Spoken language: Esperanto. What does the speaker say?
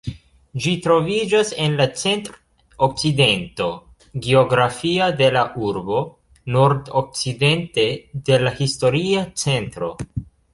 Ĝi troviĝas en la centr-okcidento geografia de la urbo, nordokcidente de la historia centro.